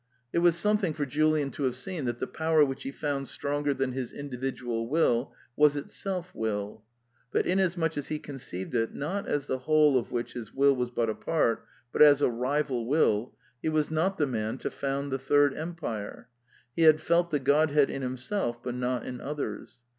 It was something for Julian to have seen that the power which he found stronger than his individual will was itself will; but inasmuch as he conceived it, not as the whole of which his will was but a part, but as a rival will, he was not the man to found the third empire. He had felt the godhead in him self, but not in others.